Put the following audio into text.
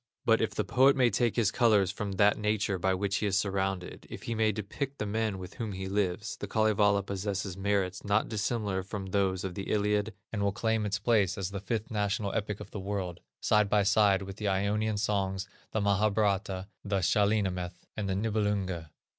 ]; but if the poet may take his colors from that nature by which he is surrounded, if he may depict the men with whom he lives, the Kalevala possesses merits not dissimilar from those of the Iliad, and will claim its place as the fifth national epic of the world, side by side with the Ionian Songs, with the Mahabharata, the Shahnameth, and the Nibelunge."